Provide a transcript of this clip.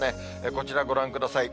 こちらご覧ください。